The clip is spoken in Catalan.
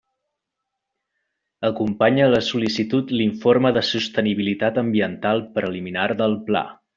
Acompanya la sol·licitud l'informe de sostenibilitat ambiental preliminar del Pla.